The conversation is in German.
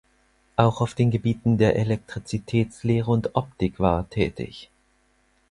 Auch auf den Gebieten der Elektrizitätslehre und Optik war er tätig.